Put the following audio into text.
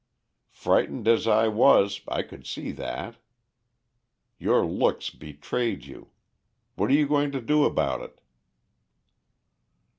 Frightened as I was, I could see that. Your looks betrayed you. What are you going to do about it?"